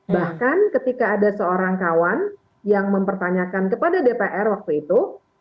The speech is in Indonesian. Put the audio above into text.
bahkan ketika ada seorang kawan yang mempertanyakan kepada dpr waktu itu